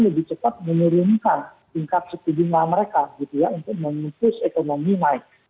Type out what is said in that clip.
lebih cepat menurunkan tingkat setidiknya mereka gitu ya untuk menghentus ekonomi naik